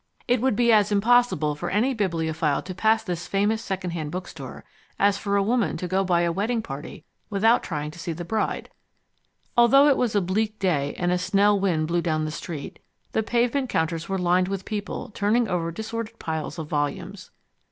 It would be as impossible for any bibliophile to pass this famous second hand bookstore as for a woman to go by a wedding party without trying to see the bride. Although it was a bleak day, and a snell wind blew down the street, the pavement counters were lined with people turning over disordered piles of volumes.